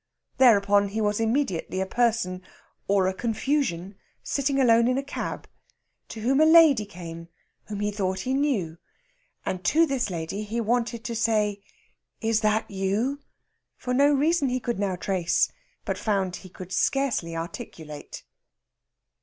Thereupon he was immediately a person, or a confusion, sitting alone in a cab, to whom a lady came whom he thought he knew, and to this lady he wanted to say, "Is that you?" for no reason he could now trace, but found he could scarcely articulate.